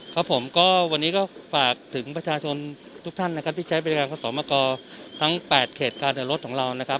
ครับผมก็วันนี้ก็ฝากถึงประชาชนทุกท่านนะครับที่ใช้บริการขอสมกรทั้ง๘เขตการเดินรถของเรานะครับ